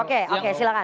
oke oke silahkan